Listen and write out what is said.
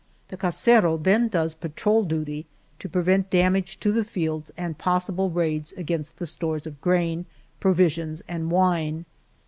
The casero then does patrol duty to prevent damage to the fields and possible raids against the stores of grain, provisions, and wine.